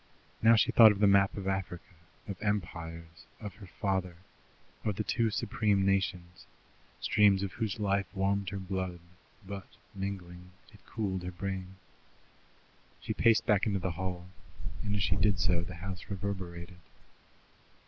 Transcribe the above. Now she thought of the map of Africa; of empires; of her father; of the two supreme nations, streams of whose life warmed her blood, but, mingling, had cooled her brain. She paced back into the hall, and as she did so the house reverberated.